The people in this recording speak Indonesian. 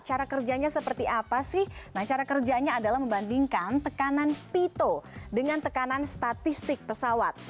cara kerjanya seperti apa sih nah cara kerjanya adalah membandingkan tekanan pito dengan tekanan statistik pesawat